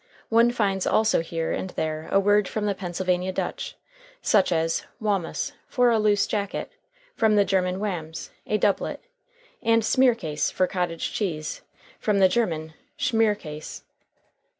One finds also here and there a word from the "Pennsylvania Dutch," such as "waumus" for a loose jacket, from the German wamms, a doublet, and "smearcase" for cottage cheese, from the German schmierkäse.